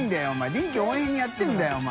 臨機応変にやってるんだよお前。